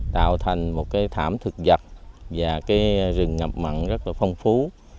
tạo thành một thảm thực vật và rừng ngập mặn rất phong phú